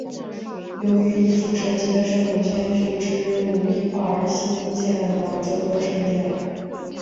由于一幅神奇的圣母谦逊之母壁画而兴建了这座圣殿。